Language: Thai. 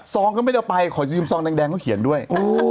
ซองก็ไม่ได้เอาไปขอยืมซองแดงก็เขียนด้วย